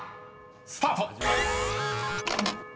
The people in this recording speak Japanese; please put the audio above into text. ［スタート！］